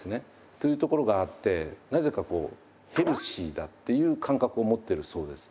というところがあってなぜかこうヘルシーだっていう感覚を持ってるそうです。